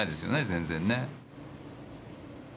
全然ね